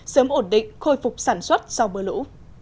sớm ổn định khôi phục sản xuất sau mưa lũ